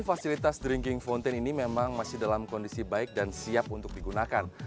fasilitas drinking fountain ini memang masih dalam kondisi baik dan siap untuk digunakan